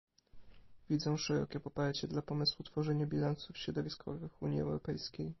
Widzę szerokie poparcie dla pomysłu tworzenia bilansów środowiskowych w Unii Europejskiej